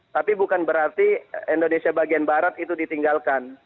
tapi bukan berarti indonesia bagian barat itu ditinggalkan